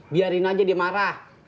biarin aja dia marah